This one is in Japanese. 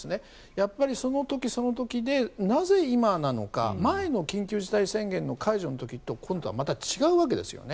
やっぱりその時その時でなぜ今なのか前の緊急事態宣言の解除の時と今度はまた違うわけですよね。